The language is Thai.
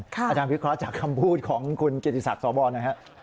อาจารย์วิทยาลัยศาสตร์จากคำพูดของคุณเกดีศักดิ์สวบรณ์นะครับ